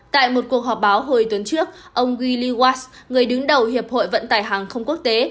tại một cuộc họp báo hồi tuần trước ông giliwas người đứng đầu hiệp hội vận tải hàng không quốc tế